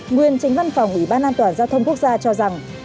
nguyên tránh văn phòng ủy ban an toàn giao thông quốc gia cho rằng